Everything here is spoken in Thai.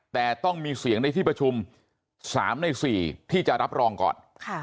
แต่ต้องมีเสียงในที่ประชุม๓ใน๔ที่จะรับรองก่อน